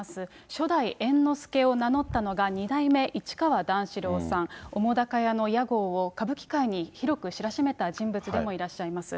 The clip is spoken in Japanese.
初代猿之助を名乗ったのが、二代目市川段四郎さん、澤瀉屋の屋号を、歌舞伎界に広く知らしめた人物でもいらっしゃいます。